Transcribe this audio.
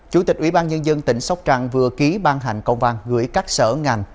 chủ tịch ủy ban nhân dân tỉnh sóc trăng vừa ký ban hành công an gửi các sở ngành